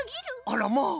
あらまあ。